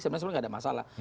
sebenarnya tidak ada masalah